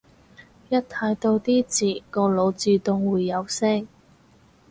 一睇到啲字個腦自動會有聲